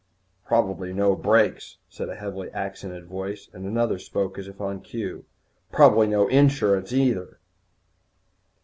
"Probably no brakes," said a heavily accented voice, and another spoke as if on cue, "Probably no insurance, neither."